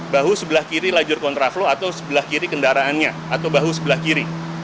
bahu sebelah kiri lajur kontraflow atau sebelah kiri kendaraannya atau bahu sebelah kiri